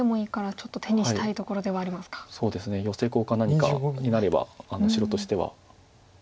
ヨセコウか何かになれば白としては。